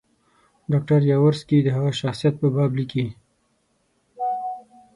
ډاکټر یاورسکي د هغه د شخصیت په باب لیکي.